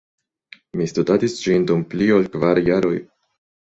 Mi studadis ĝin dum pli ol kvar jaroj.